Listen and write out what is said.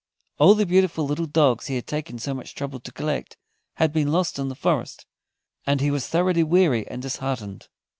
All the beautiful little dogs he had taken so much trouble to collect had been lost in the forest, and he was thoroughly weary and disheartened.